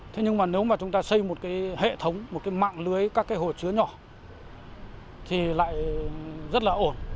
thế nhưng mà nếu mà chúng ta xây một cái hệ thống một cái mạng lưới các cái hồ chứa nhỏ thì lại rất là ổn